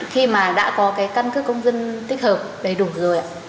khi mà đã có cái căn cước công dân tích hợp đầy đủ rồi ạ